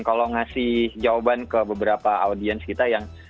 kalau ngasih jawaban ke beberapa audiens kita yang